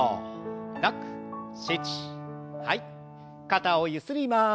肩をゆすります。